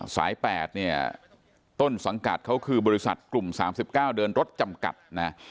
สาย๘เนี่ยต้นสังกัดเขาคือบริษัทกลุ่ม๓๙เดินรถจำกัดนะ